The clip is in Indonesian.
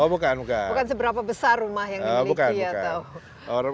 bukan seberapa besar rumah yang dimiliki atau